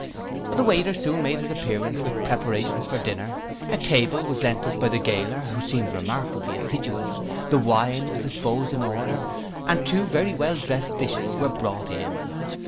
The waiter soon made his appearance with preparations for dinner, a table was lent us by the gaoler, who seemed remarkably assiduous, the wine was disposed in order, and two very well drest dishes were brought in.